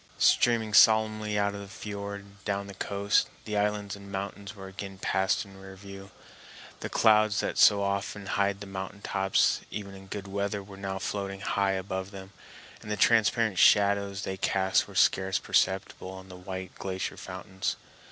Steaming solemnly out of the fiord and down the coast, the islands and mountains were again passed in review; the clouds that so often hide the mountain tops even in good weather were now floating high above them, and the transparent shadows they cast were scarce perceptible on the white glacier fountains.